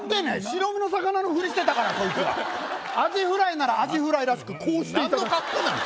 白身の魚のふりしてたからそいつらアジフライならアジフライらしくこうして何の格好なん？